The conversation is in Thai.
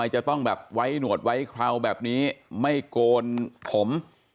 หวัดไม่โกนผม